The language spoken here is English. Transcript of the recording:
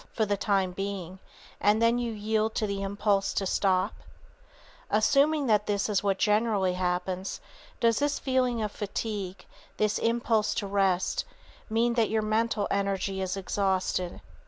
for the time being, and that you then yield to the impulse to stop? [Sidenote: The Lagging Brain] Assuming that this is what generally happens, does this feeling of fatigue, this impulse to rest, mean that your mental energy is exhausted?